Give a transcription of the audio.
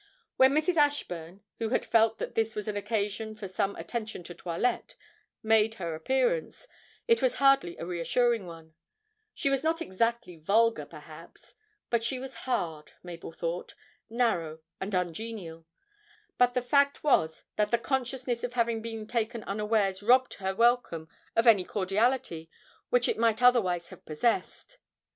When Mrs. Ashburn, who had felt that this was an occasion for some attention to toilette, made her appearance, it was hardly a reassuring one: she was not exactly vulgar perhaps, but she was hard, Mabel thought, narrow and ungenial; but the fact was that the consciousness of having been taken unawares robbed her welcome of any cordiality which it might otherwise have possessed.